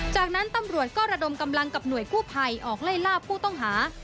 จากนั้นตำรวจก็ระดมกำลังกับหน่วยกู้ภัยออกไล่ล่าผู้ต้องหา